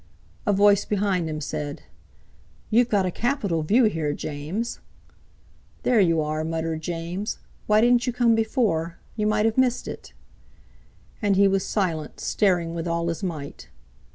A voice behind him said: "You've got a capital view here, James!" "There you are!" muttered James; "why didn't you come before? You might have missed it!" And he was silent, staring with all his might.